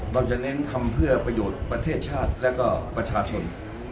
เราจะเน้นทำเพื่อประโยชน์ประเทศชาติและก็ประชาชน